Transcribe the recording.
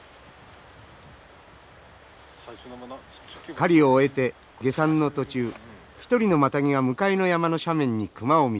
狩りを終えて下山の途中一人のマタギが向かいの山の斜面に熊を見つけました。